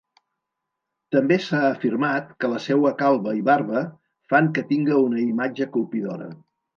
També s'ha afirmat que la seua calba i barba fan que tinga una imatge colpidora.